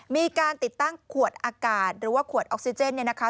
มีการติดตั้งขวดอากาศหรือว่าขวดออกซิเจนเนี่ยนะคะ